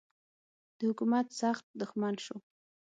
د حکومت سخت دښمن سو.